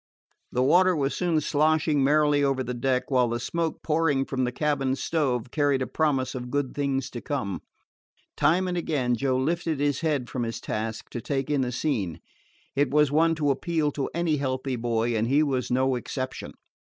The water was soon slushing merrily over the deck, while the smoke pouring from the cabin stove carried a promise of good things to come. Time and again Joe lifted his head from his task to take in the scene. It was one to appeal to any healthy boy, and he was no exception.